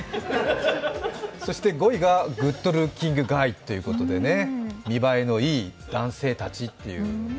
そして５位がグッドルッキングガイということで見栄えのいい男性たちっていう。